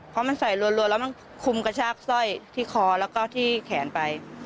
เพราะมันใส่รัวแล้วมันคุมกระชากสร้อยที่คอแล้วก็ที่แขนไป